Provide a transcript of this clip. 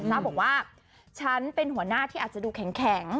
บอกว่าฉันเป็นหัวหน้าที่อาจจะดูแข็ง